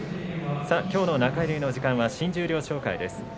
きょうの中入りの時間は新十両紹介です。